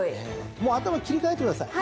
もう頭切り替えてください。